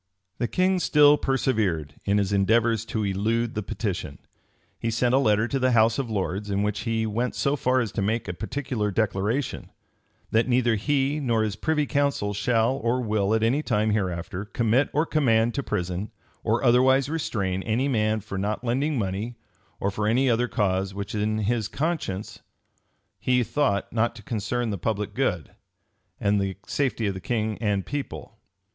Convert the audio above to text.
The king still persevered in his endeavors to elude the petition. He sent a letter to the house of lords, in which he went so far as to make a particular declaration, "That neither he nor his privy council shall or will, at any time hereafter, commit or command to prison, or otherwise restrain, any man for not lending money, or for any other cause which, in his conscience,[joined up though no hyphen] he thought not to concern the public good, and the safety of king and people."